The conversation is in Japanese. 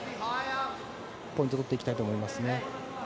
ポイントを取っていきたいと思いますね。